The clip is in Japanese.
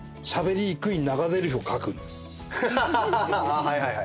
あはいはいはい。